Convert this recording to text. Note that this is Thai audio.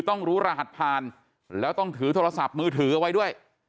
ต้องรู้รหัสผ่านแล้วต้องถือโทรศัพท์มือถือเอาไว้ด้วย